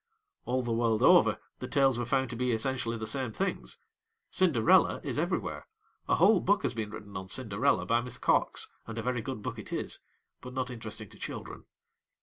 All the world over the tales were found to be essentially the same things. Cinderella is everywhere; a whole book has been written on Cinderella by Miss Cox, and a very good book it is, but not interesting to children.